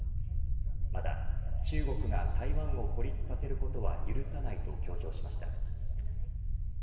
また中国が台湾を孤立させることは許さないと強調しました。